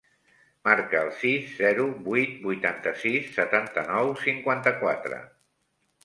Marca el sis, zero, vuit, vuitanta-sis, setanta-nou, cinquanta-quatre.